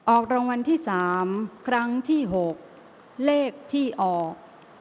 ออกรางวัลที่๓ครั้งที่๖เลขที่ออก